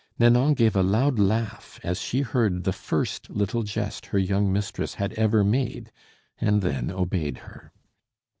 Nanon gave a loud laugh as she heard the first little jest her young mistress had ever made, and then obeyed her.